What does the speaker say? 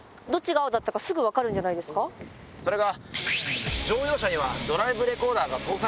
それが。